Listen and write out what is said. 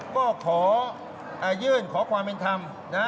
ก็ขอยื่นขอความเป็นธรรมนะ